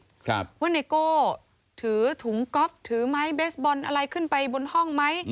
ครับว่าไนโก้ถือถุงก๊อฟถือไม้เบสบอลอะไรขึ้นไปบนห้องไหม